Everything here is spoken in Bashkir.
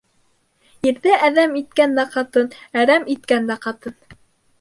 Ирҙе әҙәм иткән дә ҡатын, әрәм иткән дә ҡатын.